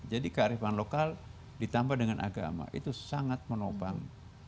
jadi kearifan lokal ditambah dengan agama itu sangat menopang